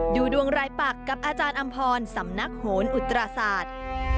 ดูดวงรายปักกับอาจารย์อำพรสำนักโหนอุตราศาสตร์